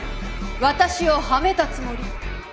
私をはめたつもり？